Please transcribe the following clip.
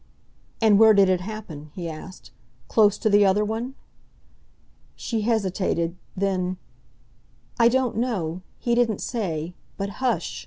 "And where did it happen?" he asked. "Close to the other one?" She hesitated, then: "I don't know. He didn't say. But hush!"